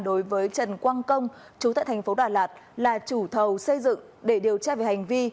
đối với trần quang công chú tại thành phố đà lạt là chủ thầu xây dựng để điều tra về hành vi